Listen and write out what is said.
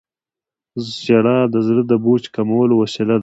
• ژړا د زړه د بوج کمولو وسیله ده.